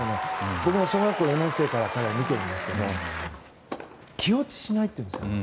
僕も小学校４年生から彼を見ていますが気落ちしないというんですかね。